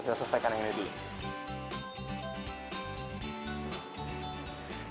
kita selesaikan yang ini